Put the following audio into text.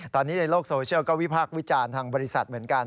ตอนนี้ในโลกโซเชียลก็วิพากษ์วิจารณ์ทางบริษัทเหมือนกัน